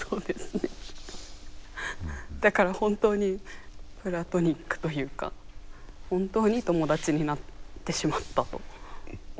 だから本当にプラトニックというか本当に友達になってしまったと思っています。